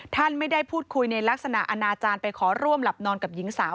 ท่านไม่ได้พูดคุยในลักษณะอนาจารย์ไปขอร่วมหลับนอนกับหญิงสาว